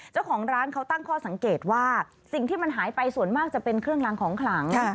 เจ้าของร้านเขาตั้งข้อสังเกตว่าสิ่งที่มันหายไปส่วนมากจะเป็นเครื่องรางของขลัง